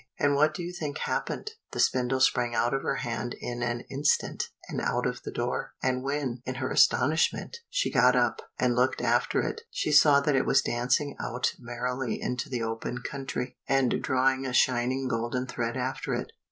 And what do you think happened? The spindle sprang out of her hand in an instant, and out of the door, and when, in her astonishment, she got up and looked after it, she saw that it was dancing out merrily into the open country, and drawing a shining golden thread after it.